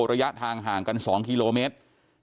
ระยะทางห่างกัน๒กิโลเมตร